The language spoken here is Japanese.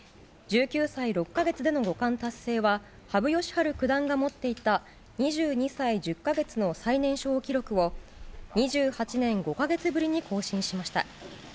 １９歳６か月での五冠達成は、羽生善治九段が持っていた２２歳１０か月の最年少記録を、２８年５か月ぶりに更新しました。